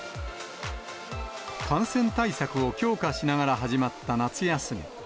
感染対策を強化しながら始まった夏休み。